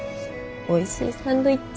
おいしいサンドイッチ。